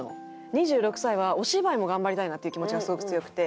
２６歳はお芝居も頑張りたいなっていう気持ちがすごく強くて。